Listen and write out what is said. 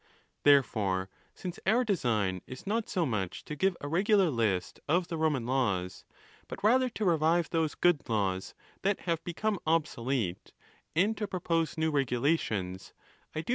Therefore, since our design is not so much to give a regular list of the Roman laws, but rather to revive those good laws that have become obsolete, and to propose new regulations, I do 478 ON THE LAWS.